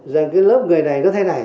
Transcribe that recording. rằng cái lớp người này nó thế này